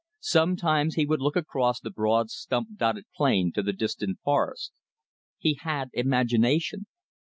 Sometimes he would look across the broad stump dotted plain to the distant forest. He had imagination.